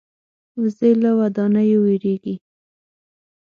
وزې له ودانیو وېرېږي